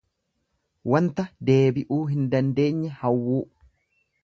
Wanta deebi'uu hin dandeenye hawwuu.